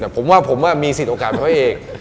ผมว่าผมมีสิทธิ์โอการเป็นผู้เอก